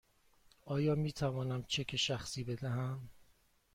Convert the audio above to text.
آیا می توانم چک شخصی بدهم؟